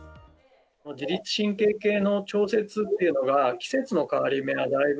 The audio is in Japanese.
自律神経系の調節っていうのが、季節の変わり目がだいぶ